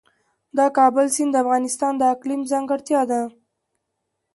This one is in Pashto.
د کابل سیند د افغانستان د اقلیم ځانګړتیا ده.